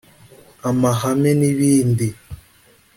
amahame n’ibindi